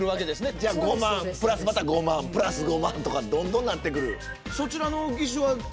じゃあ５万プラスまた５万プラス５万とかどんどんなってくる。